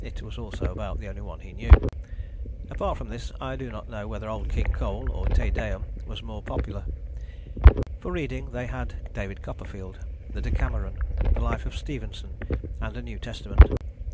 It was also about the only one he knew. Apart from this I do not know whether 'Old King Cole' or the Te Deum was more popular. For reading they had David Copperfield, the Decameron, the Life of Stevenson and a New Testament.